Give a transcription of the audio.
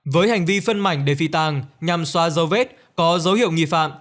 với hành vi phân mảnh để phi tàng nhằm xoa dấu vết có dấu hiệu nghi phạm